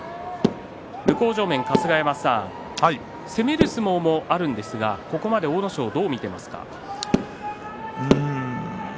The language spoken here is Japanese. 向正面、春日山さん攻める相撲もあるんですがここまで阿武咲どう見ていますか。